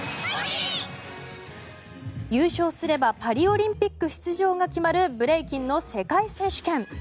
優勝すればパリオリンピック出場が決まるブレイキンの世界選手権。